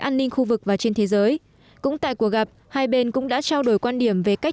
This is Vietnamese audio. an ninh khu vực và trên thế giới cũng tại cuộc gặp hai bên cũng đã trao đổi quan điểm về cách